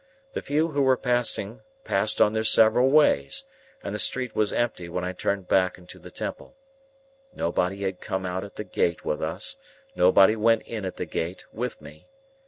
The few who were passing passed on their several ways, and the street was empty when I turned back into the Temple. Nobody had come out at the gate with us, nobody went in at the gate with me.